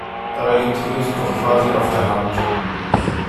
Dabei liegt die Lösung doch quasi auf der Hand!